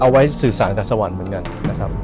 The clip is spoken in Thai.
ไว้สื่อสารกับสวรรค์เหมือนกันนะครับ